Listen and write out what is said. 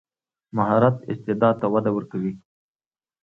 مهارت استعداد ته وده ورکوي.